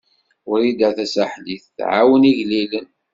Wrida Tasaḥlit tɛawen igellilen.